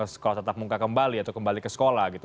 sekolah tetap muka kembali atau kembali ke sekolah gitu